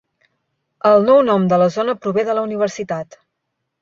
El nou nom de la zona prové de la universitat.